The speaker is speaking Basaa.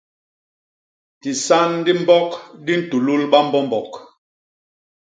Disan di mbok di ntulul bambombok.